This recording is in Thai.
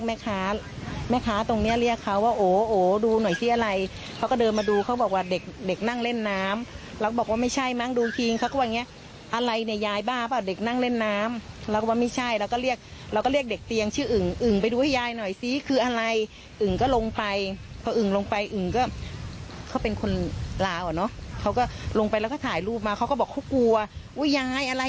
ก็เขาเป็นคนลาอ่ะเนอะเขาก็ลงไปแล้วก็ถ่ายรูปมาเขาก็บอกเขากลัวว่ายายอะไร